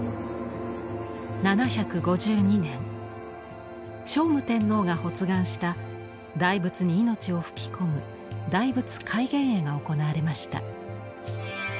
７５２年聖武天皇が発願した大仏に命を吹き込む「大仏開眼会」が行われました。